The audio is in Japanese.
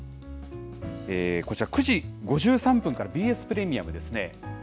こちら、９時５３分から、ＢＳプレミアムですね。